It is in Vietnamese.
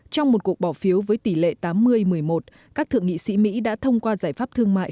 trong một cuộc bỏ phiếu với tỷ lệ tám mươi một mươi một các thượng nghị sĩ mỹ đã thông qua giải pháp thương mại